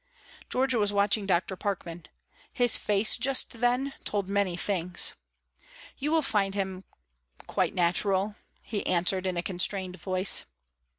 Georgia was watching Dr. Parkman. His face just then told many things. "You will find him quite natural," he answered, in a constrained voice.